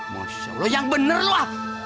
masya allah yang bener lo